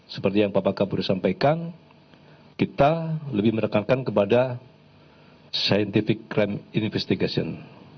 seperti yang bapak kabur sampaikan kita lebih menekankan kepada scientific crime investigation